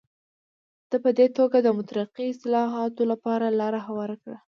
ده په دې توګه د مترقي اصلاحاتو لپاره لاره هواره کړه.